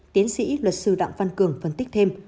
tiến sĩ luật sư đặng văn cường phấn tích thêm